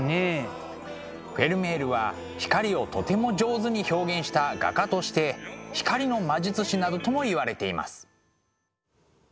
フェルメールは光をとても上手に表現した画家として光の魔術師などともいわれています。